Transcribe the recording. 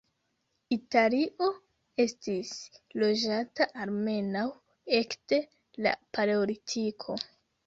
Italio estis loĝata almenaŭ ekde la Paleolitiko.